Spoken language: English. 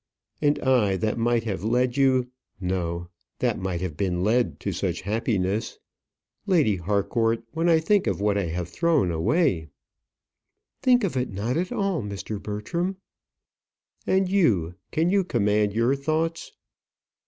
"And I, that might have led you no; that might have been led to such happiness! Lady Harcourt, when I think of what I have thrown away " "Think of it not at all, Mr. Bertram." "And you; can you command your thoughts?"